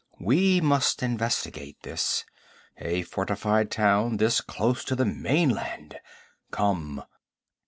We must investigate this. A fortified town this close to the mainland! Come!'